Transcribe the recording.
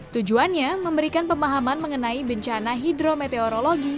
tujuannya memberikan pemahaman mengenai bencana hidrometeorologi